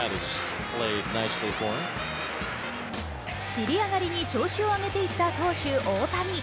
しり上がりに調子を上げていった投手・大谷。